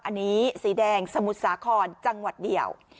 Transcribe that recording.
อันนี้สีแดงสมุทรสาครจังหวัดเดียว